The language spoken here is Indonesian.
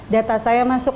data saya masuk